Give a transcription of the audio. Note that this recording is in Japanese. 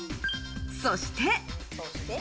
そして。